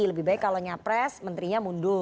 lebih baik kalau nyapres menterinya mundur